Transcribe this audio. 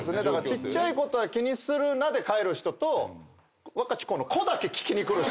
ちっちゃいことは気にするなで帰る人とワカチコの「コ」だけ聞きに来る人と。